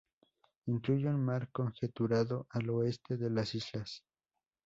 Incluye un mar conjeturado al oeste de las islas.